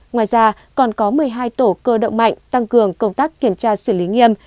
ngoài ra còn có một mươi hai tổ cơ động mạnh tăng cường công tác kiểm tra xử lý nghiêm